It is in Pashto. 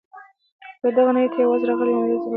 زه دغه نړۍ ته یوازې راغلم او یوازې به ځم.